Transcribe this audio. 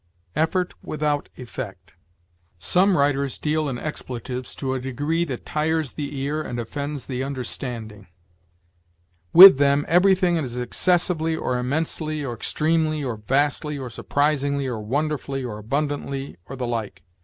EFFORT WITHOUT EFFECT. "Some writers deal in expletives to a degree that tires the ear and offends the understanding. With them everything is excessively, or immensely, or extremely, or vastly, or surprisingly, or wonderfully, or abundantly, or the like.